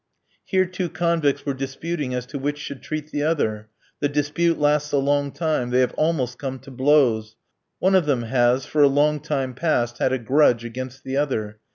Here two convicts were disputing as to which should treat the other. The dispute lasts a long time; they have almost come to blows. One of them has, for a long time past, had a grudge against the other.